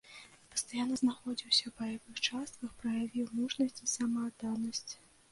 Пастаянна знаходзіўся ў баявых частках, праявіў мужнасць і самаадданасць.